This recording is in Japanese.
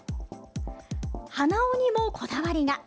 鼻緒にもこだわりが。